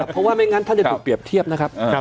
เพราะว่าไม่งั้นท่านจะถูกเปรียบเทียบนะครับ